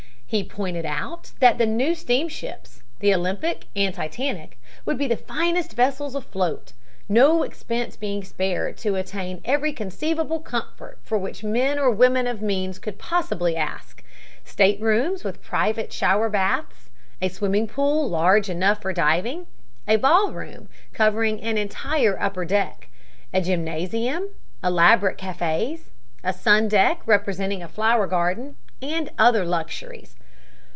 He pointed out that the new steamships, the Olympic and Titanic, would be the finest vessels afloat, no expense being spared to attain every conceivable comfort for which men or women of means could possibly ask staterooms with private shower baths, a swimming pool large enough for diving, a ballroom covering an entire upper deck, a gymnasium, elaborate cafes, a sun deck representing a flower garden, and other luxuries.